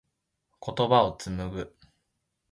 言葉を紡ぐ。